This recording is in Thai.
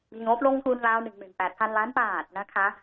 มีงบลงทุนราว๑๘๐๐๐ล้านบาทนะคะ